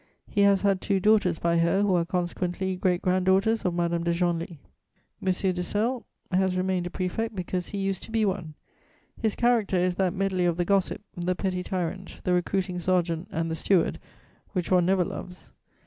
He has had two daughters by her, who are consequently great grand daughters of Madame de Genlis. M. de Celles has remained a prefect because he used to be one; his character is that medley of the gossip, the petty tyrant, the recruiting sergeant and the steward which one never loves.